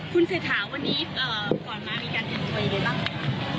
คุณสายถ่าวันนี้ก่อนมามีการเตรียมตัวอยู่หรือเปล่า